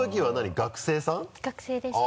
学生でした。